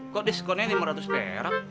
kok diskonnya lima ratus perak